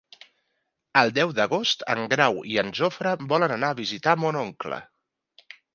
El deu d'agost en Grau i en Jofre volen anar a visitar mon oncle.